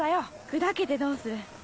砕けてどうする。